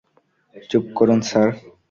চুপ করুন, স্যার!